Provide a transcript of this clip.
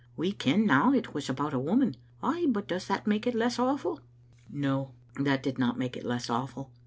We ken now it was about a woman. Ay, but does that make it less awful?" No, that did not make it less awful.